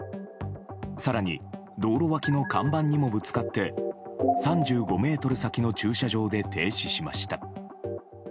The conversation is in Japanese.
更に道路脇の看板にもぶつかって３５ｍ先の駐車場で停止しました。